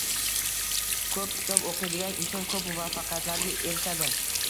Ko‘p kitob o‘qiydigan inson ko‘p muvaffaqiyatlarga erishadi.